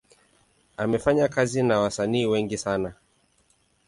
Amefanya kazi na wasanii wengi sana.